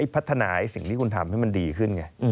พัฒนาสิ่งที่คุณทำให้มันดีขึ้นไง